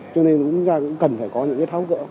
cho nên chúng ta cũng cần phải có những cái tháo gỡ